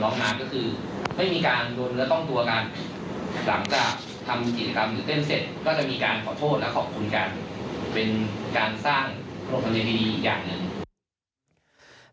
หลังจากทำกิจกรรมหรือเต็มเสร็จก็จะมีการขอโทษและขอบคุณกันเป็นการสร้างพลังพลังในพิธีอีกอย่างหนึ่ง